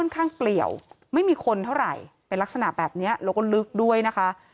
ข้างเปลี่ยวไม่มีคนเท่าไหร่เป็นลักษณะแบบนี้แล้วก็ลึกด้วยนะคะ